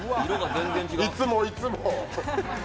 いつもいつも。